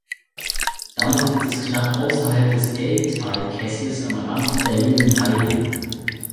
Damit liegt es knapp außerhalb des Elbtalkessels am Rand der Jungen Heide.